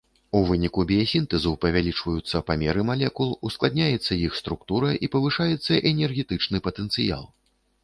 У выніку біясінтэзу павялічваюцца памеры малекул, ускладняецца іх структура і павышаецца энергетычны патэнцыял.